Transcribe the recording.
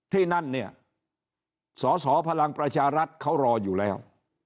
ที่นั่นเนี่ยสอสอพลังประชารัฐเขารออยู่แล้ว